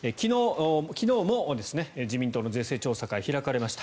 昨日も自民党の税制調査会開かれました。